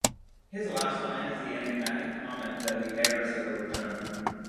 His last line is the enigmatic comment that the hairdresser will return.